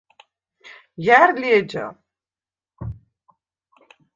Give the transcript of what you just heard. ჲა̈რ ლი ეჯა?